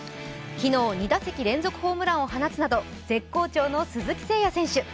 昨日、２打席連続ホームランを放つなど絶好調の鈴木誠也選手。